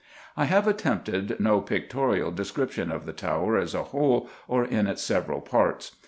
I have attempted no pictorial description of the Tower as a whole or in its several parts.